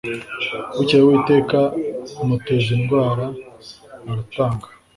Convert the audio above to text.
Bukeye Uwiteka amuteza indwara aratanga